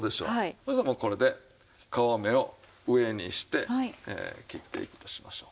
そしたらもうこれで皮目を上にして切っていくとしましょう。